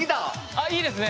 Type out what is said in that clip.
あいいですね。